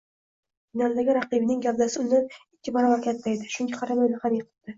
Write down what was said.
Finaldagi raqibining gavdasi undan ikki baravar katta edi, shunga qaramay, uni ham yiqitdi